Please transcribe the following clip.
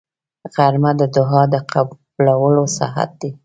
غرمه د دعا د قبولو ساعت دی